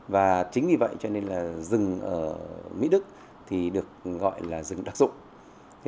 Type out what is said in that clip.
và chính vì vậy cho nên là rừng ở mỹ đức thì được gọi là rừng đặc dụng